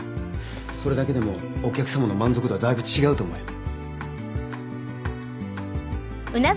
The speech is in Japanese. それだけでもお客様の満足度はだいぶ違うと思うよ。